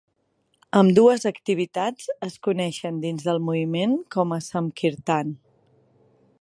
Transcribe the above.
Ambdues activitats es coneixen dins del moviment com a "Sankirtan".